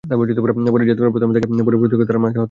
পরে জেদ করে প্রথমে তাকে, পরে প্রতিবাদ করায় তার মাকে হত্যা করি।